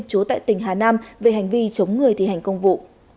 chú tại tỉnh hà nam về hành vi chống người thi hành công vụ